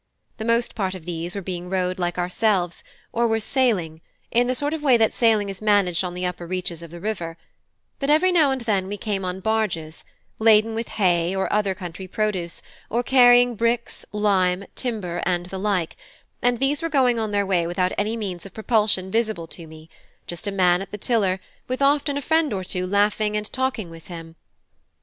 The most part of these were being rowed like ourselves, or were sailing, in the sort of way that sailing is managed on the upper reaches of the river; but every now and then we came on barges, laden with hay or other country produce, or carrying bricks, lime, timber, and the like, and these were going on their way without any means of propulsion visible to me just a man at the tiller, with often a friend or two laughing and talking with him.